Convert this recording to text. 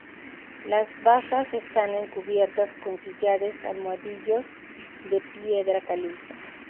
Las basas están recubiertas con sillares almohadillados de piedra caliza.